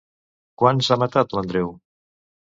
Quants ha matat l'Andreu?